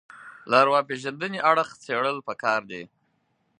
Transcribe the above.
له ارواپېژندنې اړخ څېړل پکار دي